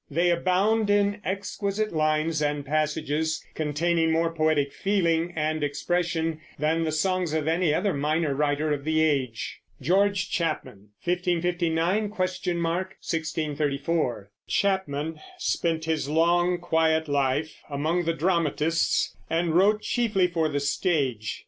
They abound in exquisite lines and passages, containing more poetic feeling and expression than the songs of any other minor writer of the age. GEORGE CHAPMAN (1559? 1634). Chapman spent his long, quiet life among the dramatists, and wrote chiefly for the stage.